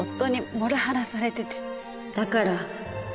だから。